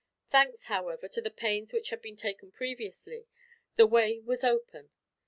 Thanks, however, to the pains which had been taken previously, the way was open.